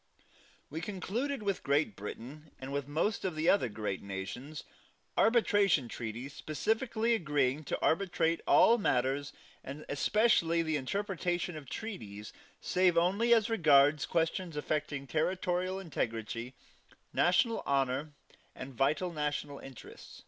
We concluded with Great Britain, and with most of the other great nations, arbitration treaties specifically agreeing to arbitrate all matters, and especially the interpretation of treaties, save only as regards questions affecting territorial integrity, national honor and vital national interest.